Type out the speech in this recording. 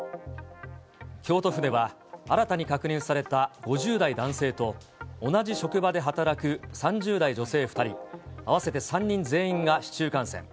京都府では、新たに確認された５０代男性と、同じ職場で働く３０代女性２人、合わせて３人全員が市中感染。